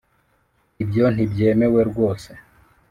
ibyo ntibyemewe rwose.